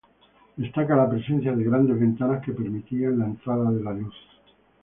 Destaca la presencia de grandes ventanas, que permitían la entrada de la luz.